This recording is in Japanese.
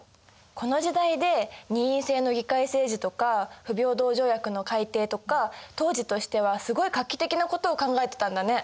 この時代で二院制の議会政治とか不平等条約の改定とか当時としてはすごい画期的なことを考えてたんだね。